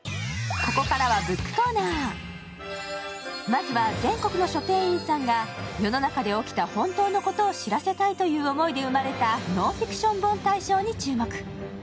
まずは全国の書店員さんが世の中で起きた本当のことを知らせたいという思いで生まれたノンフィクション本大賞に注目。